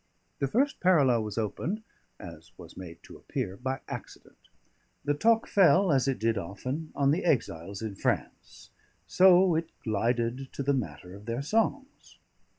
The first parallel was opened (as was made to appear) by accident. The talk fell, as it did often, on the exiles in France; so it glided to the matter of their songs.